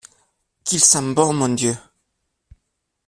Qu’il sent bon, mon Dieu !